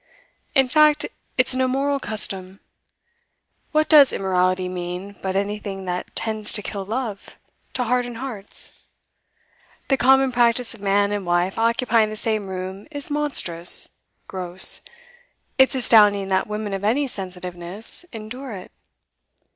In fact, it's an immoral custom. What does immorality mean but anything that tends to kill love, to harden hearts? The common practice of man and wife occupying the same room is monstrous, gross; it's astounding that women of any sensitiveness endure it.